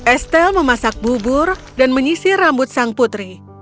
estel memasak bubur dan menyisir rambut sang putri